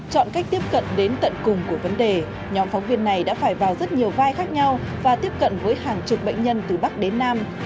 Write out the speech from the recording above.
chọn cách tiếp cận đến tận cùng của vấn đề nhóm phóng viên này đã phải vào rất nhiều vai khác nhau và tiếp cận với hàng chục bệnh nhân từ bắc đến nam